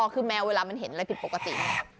คือแมวเวลามันเห็นอะไรผิดปกติ